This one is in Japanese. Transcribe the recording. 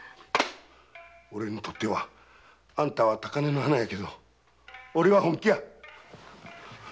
俺にとってあんたは高嶺の花やけど俺は本気や！